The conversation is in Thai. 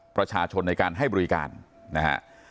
ประชาชนในการให้บริการนะฮะ